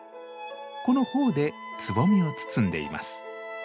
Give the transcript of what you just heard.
この苞でつぼみを包んでいます。